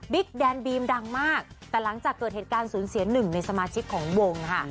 แดนบีมดังมากแต่หลังจากเกิดเหตุการณ์สูญเสียหนึ่งในสมาชิกของวงค่ะ